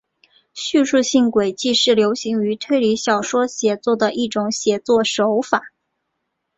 叙述性诡计是流行于推理小说写作的一种写作手法。